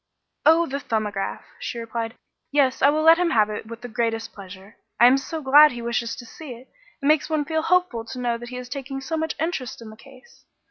"Oh, the 'Thumbograph,'" she replied. "Yes, I will let him have it with the greatest pleasure. I am so glad he wishes to see it; it makes one feel hopeful to know that he is taking so much interest in the case.